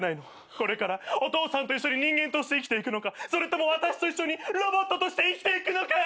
これからお父さんと一緒に人間として生きていくのかそれとも私と一緒にロボットとして生きていくのかを。